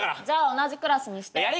じゃあ同じクラスにして。